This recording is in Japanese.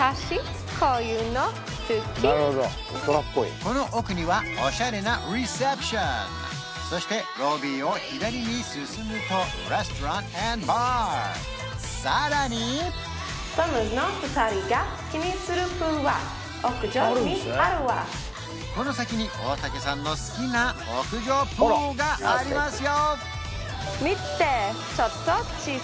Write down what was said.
この奥にはオシャレなレセプションそしてロビーを左に進むとさらにこの先に大竹さんの好きな屋上プールがありますよ！